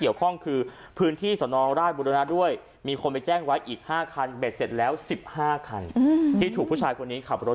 รอบผลตรวจเดินเสพติบ